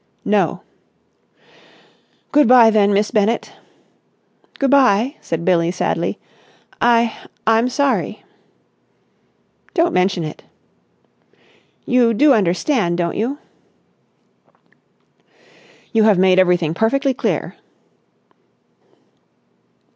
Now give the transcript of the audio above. "No." "Good bye, then, Miss Bennett!" "Good bye," said Billie sadly. "I—I'm sorry." "Don't mention it!" "You do understand, don't you?" "You have made everything perfectly clear."